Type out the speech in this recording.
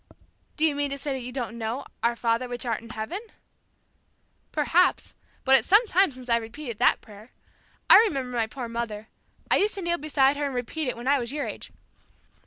"Do you mean to say that you don't know, 'Our Father which art in heaven?'" "Perhaps, but it's some time since I've repeated that prayer. I remember my poor mother. I used to kneel beside her and repeat it when I was your age.